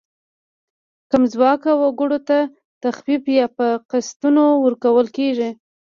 کم ځواکه وګړو ته تخفیف یا په قسطونو ورکول کیږي.